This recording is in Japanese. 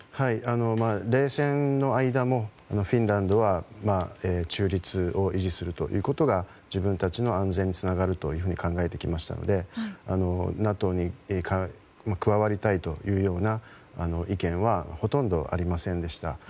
冷戦の間もフィンランドは中立を維持するということが自分たちの安全につながると考えてきましたのでＮＡＴＯに加わりたいというような意見はほとんどありませんでした。